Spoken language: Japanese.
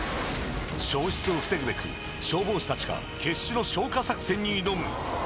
焼失を防ぐべく、消防士たちが決死の消火作戦に挑む。